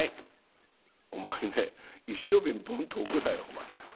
「お前ね一升瓶ボンと置くなよお前。